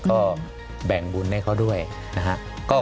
ก็แบ่งบุญให้เขาด้วยนะครับ